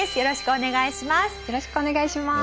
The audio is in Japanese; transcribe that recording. お願いします。